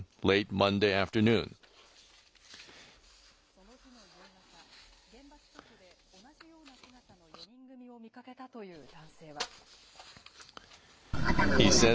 その日の夕方、現場近くで同じような姿の４人組を見かけたという男性は。